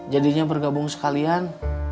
jadinya bergabung sekalian